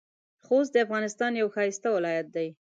خوست د افغانستان یو ښایسته ولایت دی.